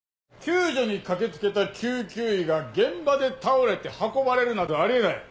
救助に駆け付けた救急医が現場で倒れて運ばれるなどあり得ない。